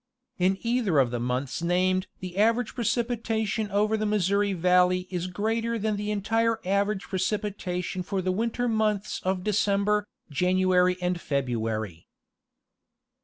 In either of the months named the average precipitation over the Missouri valley, is greater than the entire average precipitation for the winter months of December, January and February.